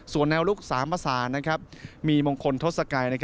ส่วนแนวลุก๓ภาษามีมงคลทศกัย